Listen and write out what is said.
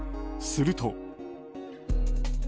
すると。